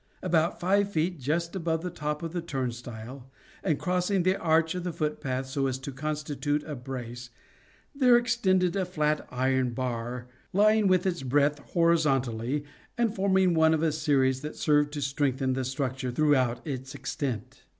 About five feet just above the top of the turnstile, and crossing the arch of the foot path so as to constitute a brace, there extended a flat iron bar, lying with its breadth horizontally, and forming one of a series that served to strengthen the structure throughout its extent.